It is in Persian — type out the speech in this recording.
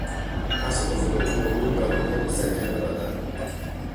تصادف اتومبیل را به پلیس اطلاع دادن